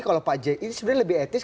kalau pak j ini sebenarnya lebih etis